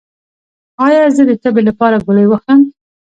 ایا زه د تبې لپاره ګولۍ وخورم؟